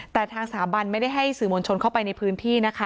แต่ทางสถาบันไม่ได้ให้สื่อมวลชนเข้าไปในพื้นที่นะคะ